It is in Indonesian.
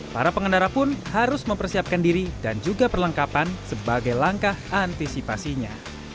para pengendara pun harus mempersiapkan diri dan juga perlengkapan sebagai langkah antisipasinya